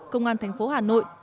công an thành phố hà nội